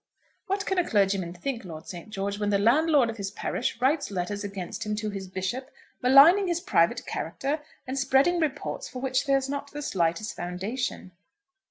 "What can a clergyman think, Lord St. George, when the landlord of his parish writes letters against him to his bishop, maligning his private character, and spreading reports for which there is not the slightest foundation?"